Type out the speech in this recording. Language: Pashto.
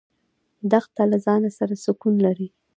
دښته له ځانه سره سکون لري.